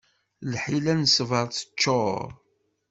Lḥila n ssbaṛ teččur.